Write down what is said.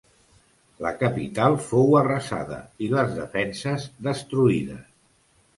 La capital fou arrasada i les defenses destruïdes.